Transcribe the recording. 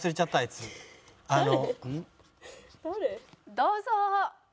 どうぞ。